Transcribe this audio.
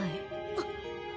あっ。